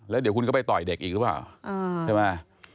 แล้วเดี๋ยวคุณก็ไปต่อยเด็กอีกหรือเปล่าใช่ไหม